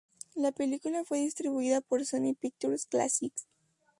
La película fue distribuida por Sony Pictures Classics.